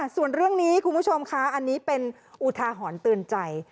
ส่วนเรื่องนี้คุณผู้ชมค่ะอันนี้เป็นอุทาหรณ์เตือนใจ